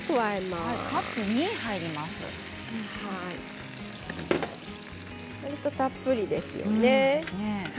わりとたっぷりですよね。